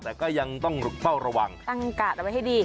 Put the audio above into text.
แต่ก็ยังต้องเฝ้าระวังตั้งกาดเอาไว้ให้ดี